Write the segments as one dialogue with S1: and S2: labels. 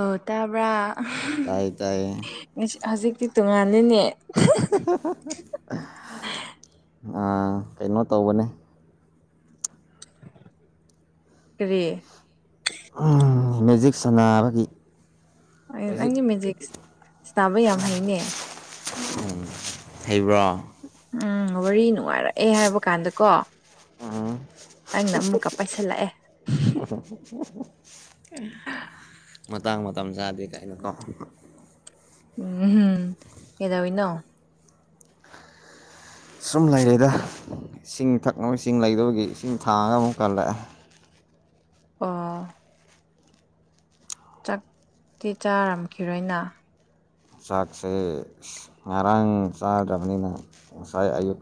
S1: ꯑꯣ ꯇꯥꯕ꯭ꯔꯥ
S2: ꯇꯥꯏ ꯇꯥꯏꯌꯦ
S1: ꯉꯥꯁꯤ ꯍꯧꯖꯤꯛꯇꯤ ꯇꯣꯡꯉꯥꯜꯂꯤꯅꯦ
S2: ꯑꯥ ꯀꯩꯅꯣ ꯇꯧꯕꯅꯦ
S1: ꯀꯔꯤ
S2: ꯑꯝ ꯃꯦꯖꯤꯛ ꯁꯥꯟꯅꯕꯒꯤ
S1: ꯑꯌꯣ
S2: ꯃꯦꯖꯤꯛ
S1: ꯅꯪꯗꯤ ꯃꯦꯖꯤꯛꯁ ꯇꯥꯕ ꯌꯥꯝ ꯍꯩꯅꯦ
S2: ꯍꯩꯕ꯭ꯔꯣ
S1: ꯎꯝ ꯋꯥꯔꯤ ꯅꯨꯡꯉꯥꯏꯔꯛꯑꯦ ꯍꯥꯏꯕ ꯀꯥꯟꯗꯀꯣ
S2: ꯑꯣꯝ
S1: ꯅꯪꯅ ꯑꯃꯨꯛꯀ ꯄꯥꯏꯁꯜꯂꯛꯑꯦ
S2: ꯃꯇꯥꯡ ꯃꯇꯝ ꯆꯥꯗꯦ ꯀꯥꯏꯅꯀꯣ
S1: ꯎꯝꯍꯨꯝ ꯀꯩꯗꯧꯋꯤꯅꯣ
S2: ꯁꯨꯝ ꯂꯩꯔꯦꯗ ꯏꯁꯤꯡ ꯊꯛꯅꯕ ꯏꯁꯤꯡ ꯂꯩꯗꯕꯒꯤ ꯏꯁꯤꯡ ꯊꯥꯡꯉꯒ ꯑꯃꯨꯛ ꯀꯜꯂꯛꯑꯦ
S1: ꯑꯣ ꯆꯥꯛꯇꯤ ꯆꯥꯔꯝꯈꯤꯔꯣꯏꯅ
S2: ꯆꯥꯛꯁꯦ ꯉꯔꯥꯡ ꯆꯥꯗ꯭ꯔꯕꯅꯤꯅ ꯉꯁꯥꯏ ꯑꯌꯨꯛ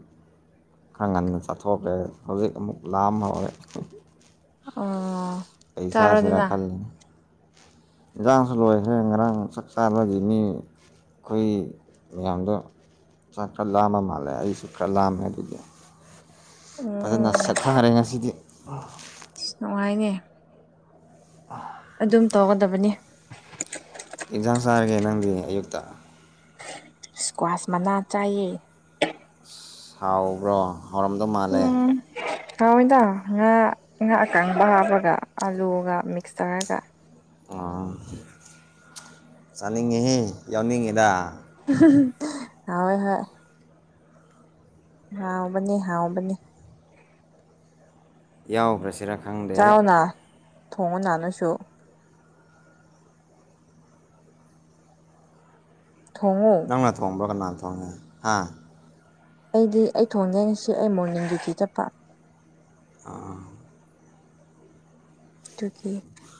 S2: ꯈꯥ ꯉꯟꯅ ꯆꯠꯊꯣꯛꯈ꯭ꯔꯦ ꯍꯧꯖꯤꯛ ꯑꯃꯨꯛ ꯂꯥꯝ ꯍꯧꯔꯦ
S1: ꯑꯣ
S2: ꯀꯩ ꯆꯥꯁꯤꯔꯥ
S1: ꯆꯥꯔꯣꯗꯅ
S2: ꯈꯜꯂꯤꯅꯤ ꯏꯟꯖꯥꯡꯁꯨ ꯂꯣꯏꯒ꯭ꯔꯦ ꯉꯔꯥꯡ ꯆꯥꯛ ꯆꯥꯕꯒꯤ ꯃꯤ ꯑꯩꯈꯣꯏ ꯃꯌꯥꯝꯗꯣ ꯆꯥꯛꯇꯣ ꯂꯥꯝꯕ ꯃꯥꯜꯂꯦ ꯑꯩꯁꯨ ꯈꯔ ꯂꯥꯝꯃꯦ ꯑꯗꯨꯒꯤ ꯐꯖꯅ
S1: ꯎꯝ
S2: ꯁꯦꯠꯊꯔꯦ ꯉꯁꯤꯗꯤ
S1: ꯅꯨꯡꯉꯥꯏꯅꯦ
S2: ꯑ
S1: ꯑꯗꯨꯝ ꯇꯧꯒꯗꯕꯅꯤ
S2: ꯀꯩꯏꯟꯖꯥꯡ ꯆꯥꯔꯒꯦ ꯅꯪꯗꯤ ꯑꯌꯨꯛꯇ
S1: ꯏꯁꯀ꯭ꯋꯥꯁ ꯃꯅꯥ ꯆꯥꯏꯌꯦ
S2: ꯏꯁ ꯍꯥꯎꯕ꯭ꯔꯣ ꯍꯥꯎꯔꯝꯗꯣ ꯃꯥꯜꯂꯦ
S1: ꯎꯝ ꯍꯥꯎꯋꯤꯗ ꯉꯥ ꯉꯥ ꯑꯀꯪꯕ ꯍꯥꯞꯄꯒ ꯑꯥꯂꯨꯒ ꯃꯤꯛꯁ ꯇꯧꯔꯒ
S2: ꯑꯣ ꯆꯥꯅꯤꯡꯉꯤꯍꯦ ꯌꯥꯎꯅꯤꯡꯉꯤꯗ
S1: ꯍꯥꯎꯋꯦ ꯍꯣꯏ ꯍꯥꯎꯕꯅꯦ ꯍꯥꯎꯕꯅꯤ
S2: ꯌꯥꯎꯒ꯭ꯔꯥ ꯁꯤꯔꯥ
S1: ꯆꯥꯎꯑꯣꯅ ꯊꯣꯡꯉꯣꯅ ꯅꯣꯏꯁꯨ ꯊꯣꯡꯉꯣ
S2: ꯅꯪꯅ ꯊꯣꯡꯕ꯭ꯔꯣ ꯀꯅꯥꯟ ꯊꯣꯡꯉꯤ ꯍꯥ
S1: ꯑꯩꯗꯤ ꯑꯩ ꯊꯣꯡꯉꯦ ꯉꯁꯤ ꯑꯩ ꯃꯣꯔꯅꯤꯡꯒꯤ ꯇꯤꯆꯔ ꯄ꯭ꯔꯥꯛ
S2: ꯑꯥ
S1: ꯑꯗꯨꯒꯤ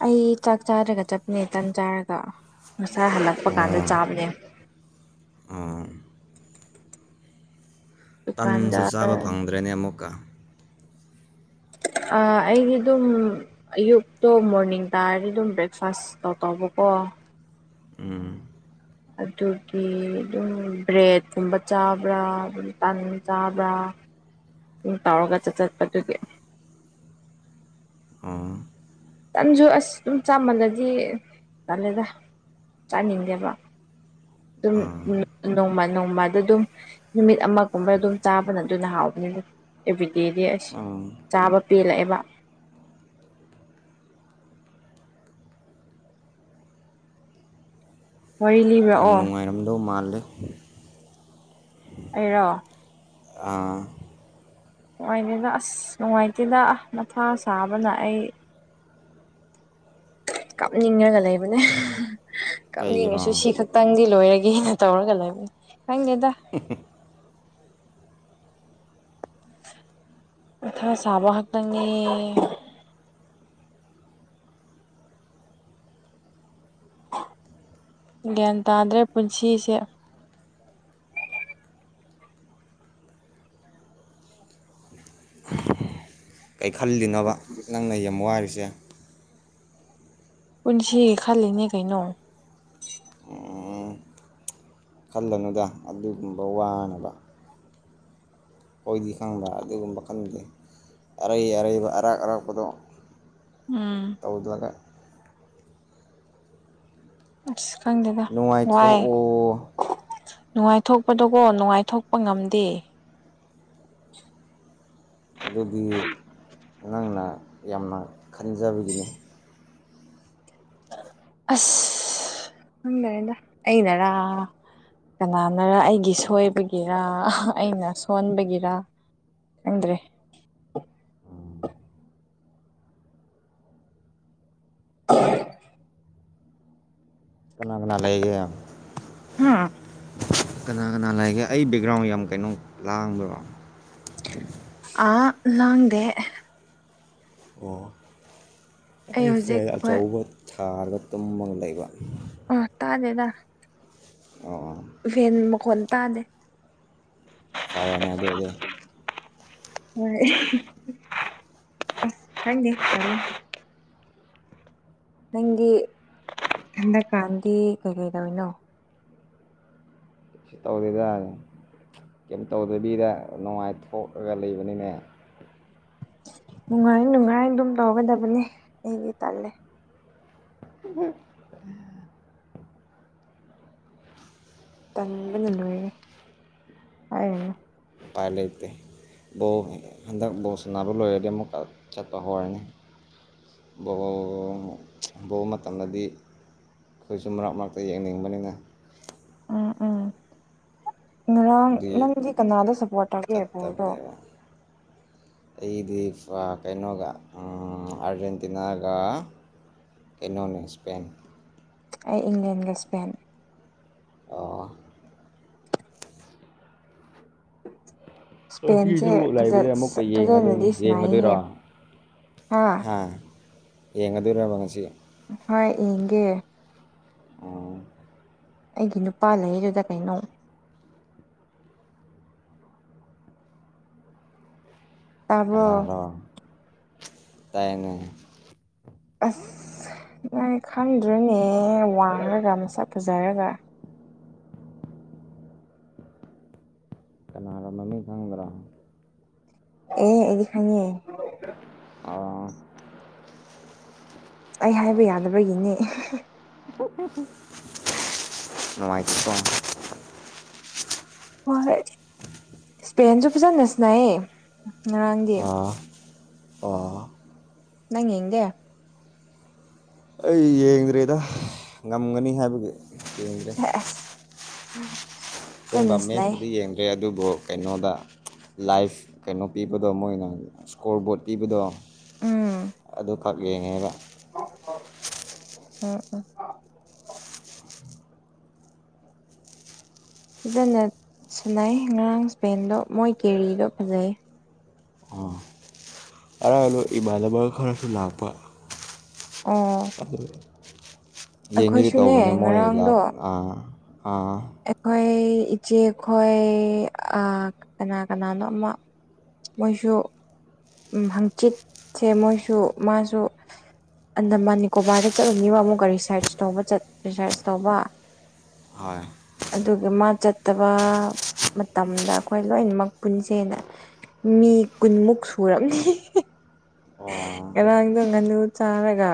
S1: ꯑꯩ ꯆꯥꯛ ꯆꯥꯗ꯭ꯔꯒ ꯆꯠꯄꯅꯦ ꯇꯟ ꯆꯥꯔꯒ ꯉꯁꯥꯏ ꯍꯜꯂꯛꯄ ꯀꯥꯟꯗ ꯆꯥꯕꯅꯦ
S2: ꯎꯝ
S1: ꯑꯗꯨꯀꯥꯟꯗ
S2: ꯇꯟꯁꯨ ꯆꯥꯕ ꯐꯪꯗ꯭ꯔꯦꯅꯦ ꯑꯃꯨꯛꯀ
S1: ꯑꯩꯒꯤ ꯑꯗꯨꯝ ꯑꯌꯨꯛꯇꯣ ꯃꯣꯔꯅꯤꯡ ꯇꯥꯔꯗꯤ ꯑꯗꯨꯝ ꯕ꯭ꯔꯦꯛꯐꯥꯁ ꯇꯧ ꯇꯧꯕꯀꯣ
S2: ꯎꯝ
S1: ꯑꯗꯨꯒꯤ ꯑꯗꯨꯝ ꯕ꯭ꯔꯦꯗꯀꯨꯝꯕ ꯆꯥꯕ꯭ꯔꯥ ꯑꯗꯨꯝ ꯇꯟ ꯆꯥꯕ꯭ꯔꯥ ꯎꯝ ꯇꯥꯎꯔꯒ ꯆꯠ ꯆꯠꯄꯗꯨꯒꯤ
S2: ꯑꯥ
S1: ꯇꯟꯖꯨ ꯑꯁ ꯑꯗꯨꯝ ꯆꯥꯃꯜꯂꯗꯤ ꯇꯜꯂꯦꯗ ꯆꯥꯅꯤꯡꯗꯦꯕ ꯑꯗꯨꯝ
S2: ꯑꯥ
S1: ꯅꯣꯡꯃ ꯅꯣꯡꯃꯗ ꯑꯗꯨꯝ ꯅꯨꯃꯤꯠ ꯑꯃꯒꯨꯝꯕ ꯑꯗꯨꯝ ꯆꯥꯕꯅ ꯑꯗꯨꯅ ꯍꯥꯎꯕꯅꯦ ꯑꯦꯕ꯭ꯔꯤꯗꯦꯗꯤ ꯑꯁ
S2: ꯎꯝ
S1: ꯆꯥꯕ ꯄꯦꯜꯂꯛꯑꯦꯕ ꯋꯥꯔꯤ
S2: ꯌꯥꯝ
S1: ꯂꯤꯕ꯭ꯔꯛꯑꯣ
S2: ꯅꯨꯡꯉꯥꯏꯔꯝꯗꯧ ꯃꯥꯜꯂꯦ
S1: ꯑꯩꯔꯣ
S2: ꯑꯥ
S1: ꯅꯨꯡꯉꯥꯏꯇꯦꯗ ꯑꯁ ꯅꯨꯡꯉꯥꯏꯇꯦꯗ ꯃꯊꯥ ꯁꯥꯥꯕꯅ ꯑꯩ ꯀꯥꯞꯅꯤꯡꯉꯒ ꯂꯩꯕꯅꯦ ꯀꯞꯅꯤꯡꯉꯁꯨ
S2: ꯀꯩꯔꯣ
S1: ꯁꯤ ꯈꯛꯇꯪꯗꯤ ꯂꯣꯏꯔꯒꯦꯅ ꯇꯧꯔꯒ ꯂꯩꯕꯅꯦ ꯈꯪꯗꯦꯗ
S2: ꯍꯝ ꯍꯝ
S1: ꯃꯊꯥ ꯁꯥꯕ ꯈꯛꯇꯪꯅꯤ ꯒ꯭ꯌꯥꯟ ꯇꯥꯗ꯭ꯔꯦ ꯄꯨꯟꯁꯤꯁꯦ
S2: ꯀꯩ ꯈꯜꯂꯤꯅꯣꯕ ꯅꯪꯅ ꯌꯥꯝ ꯋꯥꯔꯤꯁꯦ
S1: ꯄꯨꯟꯁꯤꯒꯤ ꯈꯜꯂꯤꯅꯦ ꯀꯩꯅꯣ
S2: ꯑꯣ ꯈꯜꯂꯨꯅꯨꯗ ꯑꯗꯨꯒꯨꯝꯕ ꯋꯥꯅꯕ ꯑꯈꯣꯏꯗꯤ ꯈꯪꯕ꯭ꯔꯥ ꯑꯗꯨꯒꯨꯝꯕ ꯈꯟꯗꯦ ꯑꯔꯩ ꯑꯔꯩꯕ ꯑꯔꯥꯛ ꯑꯔꯥꯛꯄꯗꯣ
S1: ꯎꯝ
S2: ꯇꯧꯗꯔꯒ
S1: ꯑꯁ ꯈꯪꯗꯦꯗ ꯋꯥꯏ
S2: ꯅꯨꯡꯉꯥꯏꯊꯣꯛꯑꯣ
S1: ꯅꯨꯡꯉꯥꯏꯊꯣꯛꯄꯗꯣꯀꯣ ꯅꯨꯡꯉꯥꯏꯊꯣꯛꯄ ꯉꯝꯗꯦ
S2: ꯑꯗꯨꯗꯤ ꯅꯪꯅ ꯌꯥꯝꯅ ꯈꯟꯖꯕꯒꯤꯅꯤ
S1: ꯑꯁ ꯈꯪꯗꯦꯗ ꯑꯩꯅꯔꯥ ꯀꯅꯥꯅꯔ ꯑꯩꯒꯤ ꯁꯣꯏꯕꯒꯤꯔ ꯑꯩꯅ ꯁꯣꯟꯕꯒꯤꯔ ꯈꯪꯗ꯭ꯔꯦ [unintelligible]
S2: ꯀꯅꯥ ꯀꯅꯥ ꯂꯩꯒꯦ
S1: ꯍꯝ
S2: ꯀꯅꯥ ꯀꯅꯥ ꯂꯩꯒꯦ ꯑꯩ ꯕꯦꯛꯒ꯭ꯔꯥꯎꯟ ꯌꯥꯝ ꯀꯩꯅꯣ ꯂꯥꯡꯕ꯭ꯔꯣ
S1: ꯑ ꯂꯥꯡꯗꯦ
S2: ꯑꯣ ꯑꯩ
S1: ꯍꯧꯖꯤꯛ
S2: ꯐꯦꯟ
S1: ꯍꯣꯏ
S2: ꯑꯆꯧꯕ ꯊꯥꯔꯒ ꯇꯨꯝꯃ ꯂꯩꯕ
S1: ꯑ ꯇꯥꯗꯦꯗ
S2: ꯑꯣ ꯑ
S1: ꯐꯦꯟ ꯃꯈꯣꯟ ꯇꯥꯗꯦ
S2: ꯐꯔꯦꯅꯦ ꯑꯗꯨꯗꯤ
S1: ꯍꯣꯢ ꯈꯪꯗꯦ ꯅꯪꯗꯤ ꯍꯟꯗꯛ ꯀꯥꯟꯗꯤ ꯀꯩ ꯀꯩꯗꯧꯔꯤꯅꯣ
S2: ꯀꯩꯁꯨ ꯇꯧꯗꯦꯗ ꯀꯩꯝ ꯇꯧꯗꯕꯤꯗ ꯅꯨꯡꯉꯥꯏꯊꯣꯛꯂꯒ ꯂꯩꯕꯅꯤꯅꯦ
S1: ꯅꯨꯡꯉꯥꯏ ꯅꯨꯡꯉꯥꯏ ꯑꯗꯨꯝ ꯇꯧꯒꯗꯕꯅꯤ ꯑꯩꯒꯤ ꯇꯜꯂꯦ
S2: ꯍ
S1: ꯇꯟꯕꯅ ꯂꯣꯏꯔꯦ
S2: ꯎꯄꯥꯏ ꯂꯩꯇꯦ ꯕꫭꯜ ꯍꯟꯗꯛ ꯕꫭꯜ ꯁꯥꯟꯅꯕ ꯂꯣꯏꯔꯗꯤ ꯑꯃꯨꯛꯀꯥ ꯆꯠꯄ ꯍꯧꯔꯅꯤ ꯕꯣꯜꯜꯜꯜꯜꯜ ꯕꫭꯜ ꯃꯇꯝꯗꯗꯤ ꯑꯩꯈꯣꯏꯁꯨ ꯃꯔꯛ ꯃꯔꯛꯇ ꯌꯦꯡꯅꯤꯡꯕꯅꯤꯅ
S1: ꯎꯝ ꯎꯝ ꯉꯔꯥꯡ
S2: ꯑꯗꯨꯒꯤ
S1: ꯅꯪꯗꯤ ꯀꯅꯥꯗ ꯁꯞꯄꯣꯔꯠ ꯇꯧꯒꯦ ꯕꯣꯜꯗꯣ
S2: ꯆꯠꯇꯕꯅꯦꯕ ꯑꯩꯗꯤ ꯐꯥ ꯀꯩꯅꯣꯒ ꯑꯥ ꯑꯥꯔꯖꯦꯟꯇꯤꯅꯥꯒ ꯀꯩꯅꯣꯅꯤ ꯁ꯭ꯄꯦꯟ
S1: ꯑꯩ ꯏꯪꯂꯦꯟꯒ ꯁ꯭ꯄꯦꯟ
S2: ꯑꯣ
S1: ꯏꯁꯄꯦꯟꯁꯦ
S2: ꯉꯁꯤꯁꯨ
S1: ꯐꯖ
S2: ꯂꯩꯕꯅꯦ ꯑꯃꯨꯛꯀ ꯌꯦꯡꯑꯗꯨꯏꯅꯦ
S1: ꯐꯖꯅꯗꯤ ꯁꯅꯥꯏꯍꯦ
S2: ꯌꯦꯡꯉꯗꯨꯏꯔꫭ ꯍꯥ ꯌꯦꯡꯉꯥꯗꯨꯏꯔꫭꯕ ꯉꯁꯤ
S1: ꯍꯣꯏ ꯌꯦꯡꯒꯦ
S2: ꯑꫭ
S1: ꯑꯩꯒꯤ ꯅꯨꯄꯥ ꯂꯩꯗꯨꯗ ꯀꯩꯅꯣ ꯇꯥꯕ꯭ꯔꯣ
S2: ꯀꯅꯥꯔꯣ ꯇꯥꯏꯅꯦ
S1: ꯑꯁ ꯅꯪ ꯈꯪꯗ꯭ꯔꫭꯅꯦ ꯋꯥꯡꯉꯒ ꯃꯁꯛ ꯐꯖꯔꯒ
S2: ꯅꯪꯒꯔꯣ
S1: ꯑꯦ ꯑꯩꯗꯤ ꯈꯪꯡꯉꯦ
S2: ꯑꫭ
S1: ꯑꯩ ꯍꯥꯏꯕ ꯌꯥꯗꯕꯒꯤꯅꯦ
S2: [unintelligible] ꯅꯨꯡꯉꯥꯏꯇꯦ ꯀꫭ
S1: ꯍꯣꯏ ꯏꯁ꯭ꯄꯦꯟꯁꯨ ꯐꯖꯟꯅ ꯁꯥꯟꯅꯌꯦ ꯉꯔꯥꯡꯗꯤ
S2: ꯑꯥ ꯑꯣ
S1: ꯅꯪ ꯌꯦꯡꯗꯦ
S2: ꯑꯩ ꯌꯦꯡ [unintelligible] ꯗ꯭ꯔꯦꯗ ꯉꯝꯒꯅꯤ ꯍꯥꯏꯕꯒꯤ ꯌꯦꯡꯗ꯭ꯔꯦ
S1: ꯁꯦꯁ
S2: [unintelligible] ꯃꯦꯁꯄꯨꯗꯤ ꯌꯦꯡꯗ꯭ꯔꯦ ꯑꯗꯨꯕꯨ ꯀꯩꯅꯣꯗ ꯂꯥꯏꯐ ꯀꯩꯅꯣ ꯄꯤꯕꯗꯣ ꯃꯣꯏꯅ ꯏꯁꯀꯣꯔꯕꯣꯔꯠ ꯄꯤꯕꯗꯣ
S1: ꯎꯝ
S2: ꯑꯗꯨꯈꯛ ꯌꯦꯡꯉꯦꯕ
S1: [unintelligible] ꯎꯝ ꯎꯝ [unintelligible] ꯐꯖꯅ ꯁꯥꯟꯅꯩꯌꯦ ꯉꯔꯥꯡ ꯏꯁ꯭ꯄꯦꯟꯗꯣ ꯃꯣꯏ ꯀꯦꯔꯤꯗꯣ ꯐꯖꯩ
S2: ꯑꯥ ꯑꯗꯣ ꯏꯃꯥꯟꯅꯕ ꯈꯔꯁꯨ ꯂꯥꯛꯄ
S1: ꯑꯣ
S2: ꯑꯗꯨꯒ ꯌꯦꯡꯒꯦꯗꯤ
S1: ꯑꯩꯈꯣꯏꯁꯨꯅꯦ
S2: ꯇꯧꯕꯅꯦ
S1: ꯉꯔꯥꯡꯗꯣ
S2: ꯃꯣꯏꯂꯥꯛ ꯑꯥ ꯑꯥ
S1: ꯑꯩꯈꯣꯏ ꯏꯆꯦꯈꯣꯏ ꯑꯥ ꯀꯅꯥ ꯀꯅꯥꯅꯣ ꯑꯃ ꯃꯣꯏꯁꯨ ꯍꯪꯆꯤꯠꯁꯦ ꯃꯣꯏꯁꯨ ꯃꯥꯁꯨ ꯑꯟꯗꯃꯥꯟ ꯅꯤꯀꯣꯕꯥ꯭ꯔꯗ ꯆꯠꯂꯨꯅꯤꯕ ꯑꯃꯨꯛꯀ ꯔꯤꯁ꯭ꯔꯁ ꯇꯧꯕ ꯆꯠ ꯔꯤꯁ꯭ꯔꯁ ꯇꯧꯕ
S2: ꯍꯣꯏ
S1: ꯑꯗꯨꯒꯤ ꯃꯥ ꯆꯠꯇꯕ ꯃꯇꯝꯗ ꯑꯩꯈꯣꯏ ꯂꯣꯏꯅꯃꯛ ꯄꯨꯟꯁꯦꯅ ꯃꯤ ꯀꯨꯟꯃꯨꯛ ꯁꯨꯔꯝꯅꯤ
S2: ꯑꯣ
S1: ꯉꯔꯥꯡꯗꯣ ꯉꯥꯅꯨ ꯆꯥꯔꯒ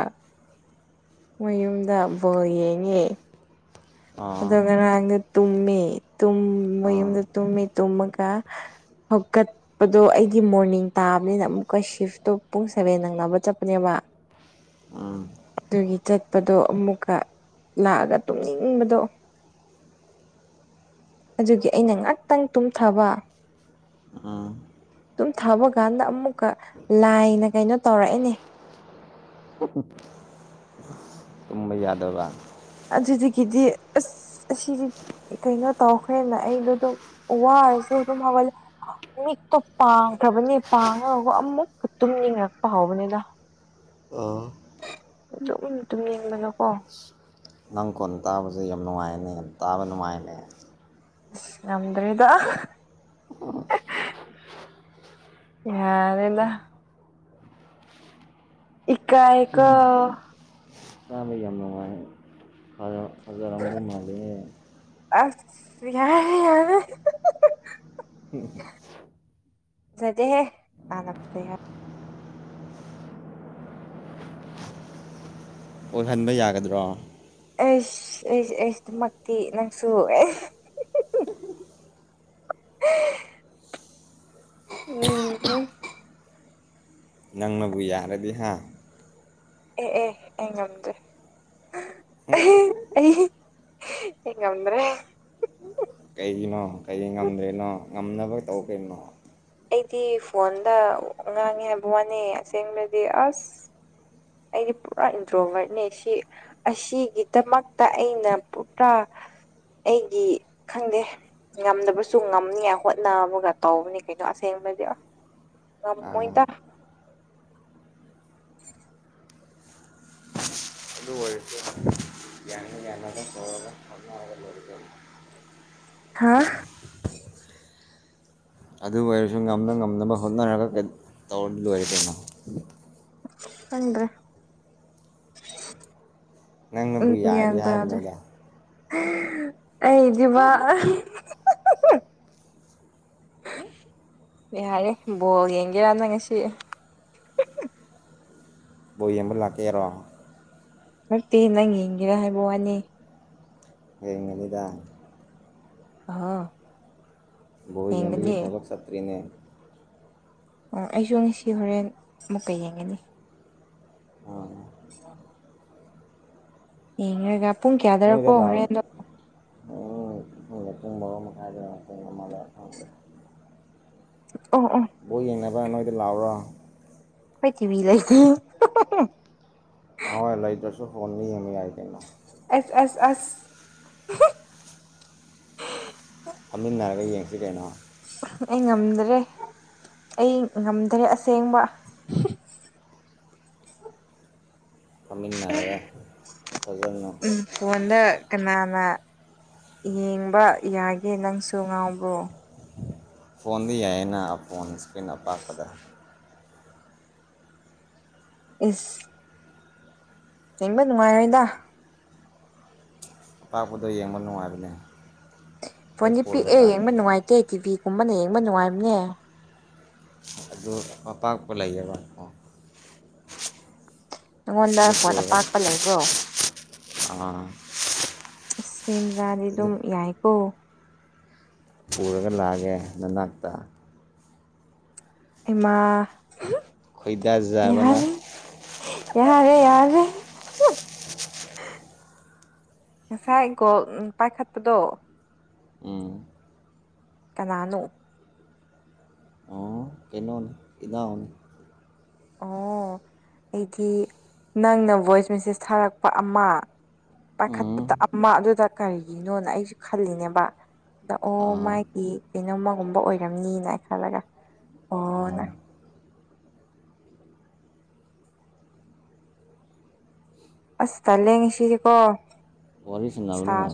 S1: ꯃꫭꯏ ꯌꯨꯝꯗ ꯕꯣꯜ ꯌꯦꯡꯉꯦ
S2: ꯑꯥ
S1: ꯑꯗꯨꯒ ꯉꯔꯥꯡꯗ ꯇꯨꯝꯃꯤ ꯇꯨꯝ ꯃꫭꯏ
S2: ꯑꯥ
S1: ꯌꯨꯝꯗ ꯇꯨꯝꯃꯤ ꯇꯨꯝꯃꯒ ꯍꯧꯒꯥꯠ ꯄꯗꫭ ꯑꯩꯗꯤ ꯃꯣꯔꯅꯤꯡ ꯇꯥꯕꯅꯤꯅ ꯑꯃꯨꯛꯀ ꯁꯤꯐꯇꯣ ꯄꯨꯡ ꯁꯕꯦꯟ ꯅꯪꯅꯕ ꯆꯠꯄꯅꯦꯕ
S2: ꯎꯝ
S1: ꯑꯗꯨꯒꯤ ꯆꯠꯄꯗꯣ ꯑꯃꯨꯛꯀ ꯂꯥꯛꯑꯒ ꯇꯨꯡꯅꯤꯡꯕꯗꯣ [inaudible] ꯑꯗꯨꯒꯤ ꯑꯩꯅ ꯉꯥꯛꯇꯪ ꯇꯨꯝꯊꯥꯕ
S2: ꯎꯝ
S1: ꯑꯗꯨꯝ ꯊꯥꯕ ꯀꯥꯟꯗ ꯑꯃꯨꯛꯀ ꯂꯥꯏꯅ ꯀꯩꯅꯣ ꯇꯧꯔꯛꯑꯦꯅꯦ
S2: [inaudible] ꯃꯨꯝꯕꯩ ꯌꯥꯗꯕ
S1: ꯑꯗꯨꯗꯒꯤꯗꯤ ꯑꯁ ꯑꯁꯤꯗꯤ ꯀꯩꯅꯣ ꯇꯧꯈ꯭ꯔꯦꯅ ꯑꯩꯗꯣ ꯑꯗꯨꯝ ꯋꯥꯔꯁꯨ ꯑꯗꯨꯝ ꯍꯧꯒꯠꯂꯦ ꯃꯤꯛꯇꯣ ꯄꯥꯡꯈ꯭ꯔꯕꯅꯤ ꯄꯥꯡꯉꯒꯒ ꯑꯃꯨꯛꯀ ꯇꯨꯝꯅꯤꯡꯉꯔꯛꯄ ꯍꯧꯕꯅꯤꯗ
S2: ꯑꯥ
S1: ꯑꯗꯨꯝ ꯇꯨꯝꯅꯤꯡꯕꯅꯀꯣ
S2: ꯅꯪ ꯀꯣꯟ ꯇꯥꯕꯁꯦ ꯌꯥꯝ ꯅꯨꯡꯉꯥꯏꯅꯦ ꯌꯥꯝ ꯇꯥꯕ ꯅꯨꯡꯉꯥꯏꯅꯦ
S1: ꯉꯝꯗ꯭ꯔꯦꯗ
S2: [inaudible]
S1: ꯌꯥꯔꯦꯗ ꯏꯀꯑꯀ
S2: ꯆꯥ ꯃ ꯌꯥꯝꯝ ꯅꯉꯥꯏ ꯐꯖꯥ ꯑꯃ ꯂꯝ ꯃꯥꯂꯦ
S1: ꯑꯁ ꯌꯥ ꯌꯥꯔꯦ [unintelligible] ꯌꯥꯗꯦꯍꯦ [unintelligible]
S2: ꯑꯣꯏꯍꯟꯕ ꯌꯥꯒꯗ꯭ꯔꯣ
S1: ꯑꯩꯁ ꯑꯩꯁ ꯑꯩꯁ ꯑꯗꯨꯃꯛꯇꯤ ꯅꯪꯁꯨ ꯑꯦ
S2: [inaudible]
S1: ꯎꯝ ꯎꯝ
S2: ꯅꯪꯅꯕꯨ ꯌꯥꯔꯗꯤ ꯍꯥ
S1: ꯑꯦ ꯑꯦ ꯑꯩ ꯉꯝꯗꯦ
S2: [unintelligible]
S1: ꯑꯩ ꯉꯝꯗ꯭ꯔꯦ
S2: ꯀꯩꯒꯤꯅꯣ ꯀꯩꯒꯤ ꯉꯝꯗ꯭ꯔꯦꯅꯣ ꯉꯝꯅꯕ ꯇꯧ ꯀꯩꯅꯣ
S1: ꯑꯩꯗꯤ ꯐꯣꯟꯗ ꯉꯥꯡꯉꯦ ꯍꯥꯏꯕ ꯋꯥꯅꯤ ꯑꯁꯦꯡꯕꯗꯤ ꯑꯁ ꯑꯩꯗꯤ ꯄꯨꯔꯥ ꯏꯟꯗ꯭ꯔꯣꯕꯔꯠꯅꯦ ꯁꯤ ꯑꯁꯤꯒꯤꯗꯃꯛꯇ ꯑꯩꯅ ꯄꯨꯔꯥ ꯑꯩꯗꯤ ꯈꯪꯗꯦ ꯉꯝꯗꯕꯁꯨ ꯉꯝꯅꯤꯉꯥꯏ ꯍꯣꯠꯅꯕꯒ ꯇꯧꯕꯅꯤ ꯀꯩꯅꯣ ꯑꯁꯦꯡꯕꯗꯤ
S2: ꯑꯥ,
S1: ꯉꯝꯃꯣꯏꯗ
S2: ꯑꯗꯨ ꯍꯛꯇ
S1: [unintelligible]
S2: ꯑꯗꯨꯜ ꯑꯣꯏꯔꯗ
S1: ꯍꯥꯥ
S2: ꯑꯗꯨ ꯑꯣꯏꯔꯁꯨ ꯉꯝꯅ-ꯉꯝꯅꯕ ꯍꯣꯠꯅꯔꯒ ꯀꯔꯤ ꯇꯧꯔ ꯂꯣꯏꯔꯦꯗꯅ
S1: ꯍꯟꯚ꯭ꯔꯦ ꯎꯝ
S2: ꯅꯪꯅꯕꯨ
S1: ꯒ꯭ꯌꯦꯟ
S2: ꯌꯥꯔꯗꯤ
S1: ꯇꯥꯗ꯭ꯔꯦ
S2: ꯍꯥꯏꯕꯅꯤꯗ
S1: ꯑꯩꯗꯤꯕꯥ ꯌꯥꯏꯑꯦ ꯕꯣꯜ ꯌꯥꯡꯚꯦꯔ [unintelligible] ꯉꯁꯤ
S2: ꯕꯝꯕꯜ ꯂꯥꯛ ꯀꯦꯔꯣ
S1: ꯅꯠꯇꯦ ꯅꯪ ꯌꯦꯡꯒꯦꯔꯥ ꯍꯥꯏꯕ ꯋꯥꯅꯤ
S2: ꯌꯦꯡꯒꯅꯤꯗ
S1: ꯑꫭꯍꫭ
S2: ꯕꯣꯜ ꯌꯦꯡꯕꯒꯤ ꯊꯕꯛ ꯆꯠꯇ꯭ꯔꯤꯅꯦ
S1: ꯑꯣ ꯑꯩꯁꯨ ꯉꯁꯤ ꯍꯣꯔꯦꯟ ꯑꯃꯨꯛꯀ ꯌꯦꯡꯒꯅꯤ
S2: [inaudible]
S1: ꯑ ꯌꯦꯔꯒ
S2: ꯅꯣꯏꯗ ꯂꯥ ꯎꯝ ꯄꯨꯡ ꯕꯔꯣ ꯃꯈꯥꯏꯗ꯭ꯥꯔ ꯄꯨꯡ ꯑꯃꯔ ꯈꯪꯗꯦ
S1: ꯑꯣ ꯑꯣ
S2: ꯕꯣꯜ ꯌꯦꯡꯅꯕꯥ ꯅꯣꯏꯗ ꯂꯥꯛꯎꯔꯥ
S1: ꯑꯩꯣꯏ ꯊꯤꯕꯤ ꯂꯩ
S2: ꯃꯥ ꯂꯩꯇ꯭ꯔꯁꯨ ꯐꯣꯟꯗ ꯌꯦꯡꯕ ꯌꯥꯥꯏ ꯀꯩꯅꯣ
S1: ꯑꯦꯁ ꯑꯦꯁ ꯑꯁ
S2: ꯐꯝꯃꯤꯟꯅꯔꯒ ꯌꯦꯡꯁꯤ ꯀꯩꯅꯣ
S1: ꯑꯩ ꯉꯝꯗ꯭ꯔꯦ ꯑꯩ ꯉꯝꯗ꯭ꯔꯦ ꯑꯁꯦꯡꯕ
S2: ꯐꯃꯤꯜꯅꯥꯔꯚ ꯐꯖꯅ
S1: ꯎꯝ ꯐꯣꯟꯗ ꯀꯅꯥꯅ ꯌꯦꯡꯕ ꯌꯥꯒꯦ ꯅꯪꯁꯨ ꯉꯥꯎꯕ꯭ꯔꯣ
S2: ꯐꯣꯟꯗ ꯌꯥꯏꯌꯦꯅ ꯐꯣꯟ ꯏꯀꯔꯤꯟ ꯑꯄꯥꯛꯄꯗ
S1: ꯏꯁ ꯆꯦꯡꯕ ꯅꯨꯡꯉꯥꯏꯔꯣꯏꯗ
S2: ꯇꯥꯛꯄꯗꯣ ꯌꯦꯡꯕ ꯅꯨꯡꯉꯥꯏꯕꯅꯦ ꯑꯩ
S1: ꯐꯣꯟꯗꯤ
S2: ꯄꯨꯔꯒ
S1: ꯄꯤꯛꯑꯦ ꯌꯦꯡꯕ
S2: ꯂꯥꯛꯀꯦ
S1: ꯅꯨꯡꯉꯥꯏꯇꯦ ꯇꯤꯚꯤꯒꯨꯝꯕꯅ ꯌꯦꯡꯕ ꯅꯨꯡꯉꯥꯏꯕꯅꯦ
S2: ꯑꯗꯨ ꯑꯄꯥꯛꯄ ꯂꯩꯌ‌‌ꯦꯕ
S1: ꯅꯪꯉꯣꯟꯗ ꯐꯣꯟ ꯑꯄꯥꯛꯄ ꯂꯩꯕ꯭ꯔꯣ
S2: ꯑꯥ
S1: ꯑꯁ ꯃꯤ ꯃꯆꯥꯗꯤ
S2: ꯑꯗꯨ
S1: ꯑꯗꯨꯝ ꯌꯥꯏꯀꯣ
S2: ꯄꯨꯔꯒ ꯂꯥꯛꯑꯒꯦ ꯅꯅꯥꯛꯇ
S1: ꯑꯩꯃꯥ
S2: ꯈꯣꯏꯗꯥꯖꯕꯅ
S1: ꯌꯥꯍꯔꯦ ꯌꯥꯔꯦ-ꯌꯥꯔꯦ ꯉꯁꯥꯏ ꯒꯣꯜ ꯄꯥꯏꯈꯠꯄꯗꯣ
S2: ꯎꯝ
S1: ꯀꯅꯥꯅꯣ
S2: ꯀꯩꯅꯣꯅꯦ ꯏꯅꯥꯎꯅꯦ
S1: ꯑꯣ ꯑꯩꯗꯤ ꯅꯪꯅ ꯚꯣꯏꯁ ꯃꯦꯁꯦꯁ ꯊꯥꯔꯛꯄ ꯑꯃ
S2: ꯎꯝ
S1: ꯄꯥꯏꯈꯠꯄꯗ ꯑꯃ ꯑꯗꯨꯗ ꯀꯔꯤꯒꯤꯅꯣꯅ ꯑꯩꯁꯨ ꯈꯜꯂꯤꯅꯦꯕ ꯑꯗ ꯑꯣ
S2: ꯑꯥ
S1: ꯃꯥꯒꯤ ꯀꯩꯅꯣꯝꯃꯒꯨꯝꯕ ꯑꯣꯏꯔꯝꯅꯤꯅ ꯈꯜꯂꯒ ꯑꯣ ꯅ
S2: ꯑꯥ
S1: ꯑꯁ ꯇ ꯂꯩꯦ ꯉꯁꯤꯗꯤꯀꯣ
S2: ꯄꯣꯂꯤꯁ ꯅꯕꯜꯅꯨꯡꯥ
S1: ꯁꯥꯁꯨ